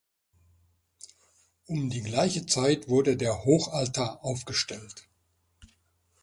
Um die gleiche Zeit wurde der Hochaltar aufgestellt.